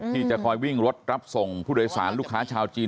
ที่จะคอยวิ่งรถรับส่งผู้โดยสารลูกค้าชาวจีน